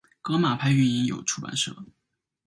革马派运营有出版社。